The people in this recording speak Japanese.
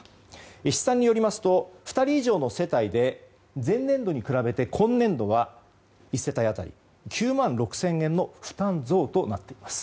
試算によりますと２人以上の世帯で前年度に比べて今年度、１世帯当たり９万６０００円の負担増となっています。